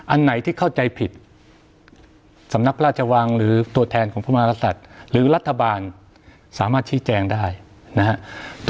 อันไหนที่เข้าใจผิดสำนักพระราชวังหรือตัวแทนของพระมหากษัตริย์หรือรัฐบาลสามารถชี้แจงได้นะครับ